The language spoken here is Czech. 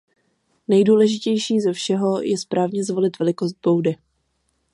Nejdůležitější ze všeho je správně zvolit velikost boudy.